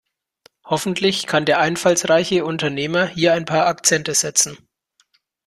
Hoffentlich kann der einfallsreiche Unternehmer hier ein paar Akzente setzen.